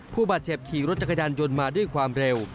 ผู้บาดเจ็บขี่รถจักรยานยนต์มาด้วยความเร็ว